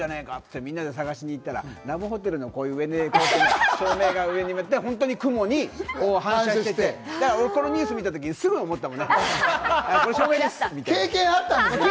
ってみんなで探しに行ったら、ラブホテルの上にある照明が本当に雲に反射してこのニュース見たとき、すぐ思ったもんね。